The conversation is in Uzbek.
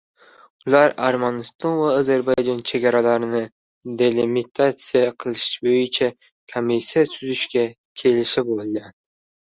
Ular Armaniston va Ozarbayjon chegaralarini delimitatsiya qilish bo‘yicha komissiya tuzishga kelishib olgan